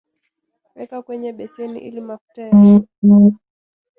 weka kwenye beseni ili mafuta yashuke